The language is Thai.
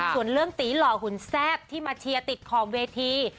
ส่วนเรื่องตีหล่อหุ่นแซ่บที่มาเชียร์ติดขอบเวที